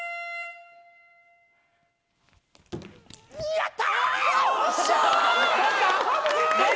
やった！